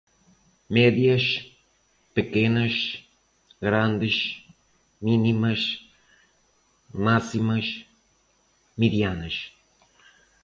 Médias, pequenas, grandes, mínimas, máximas, medianas